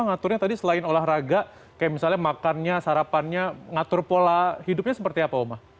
ngaturnya tadi selain olahraga kayak misalnya makannya sarapannya ngatur pola hidupnya seperti apa oma